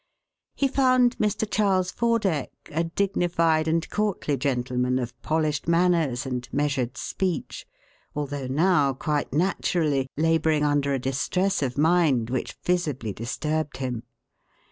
He found Sir Charles Fordeck, a dignified and courtly gentleman of polished manners and measured speech, although now, quite naturally, labouring under a distress of mind which visibly disturbed him.